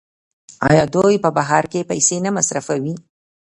آیا دوی په بهر کې پیسې نه مصرفوي؟